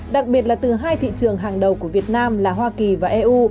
đặc biệt là từ hai thị trường hàng đầu của việt nam là hoa kỳ và eu